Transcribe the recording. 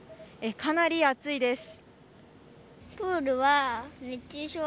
かなり暑いです。